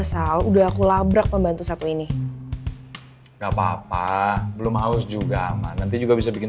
sal udah aku labrak membantu satu ini enggak papa belum aus juga nanti juga bisa bikin